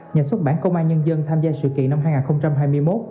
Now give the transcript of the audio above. nhà xuất bản công an nhân dân tham gia sự kiện năm hai nghìn hai mươi một